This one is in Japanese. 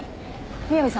宮部さん